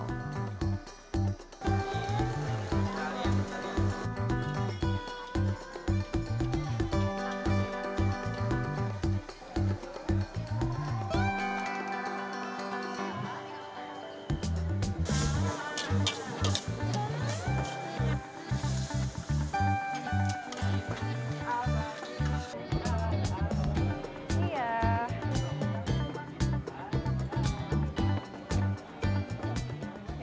jangan lupa untuk berlangganan